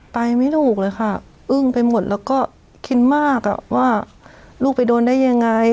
ไปไม่ถูกเลยค่ะอึ้งไปหมดแล้วก็คิดมากว่าลูกไปโดนได้ยังไง